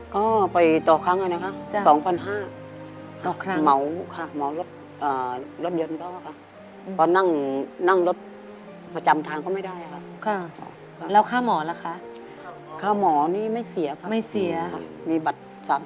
ก็ไปต่อครั้งเลยนะคะ๒๕๐๐บาท